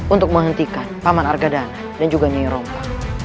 untuk menghentikan paman argadana dan juga nyai rombo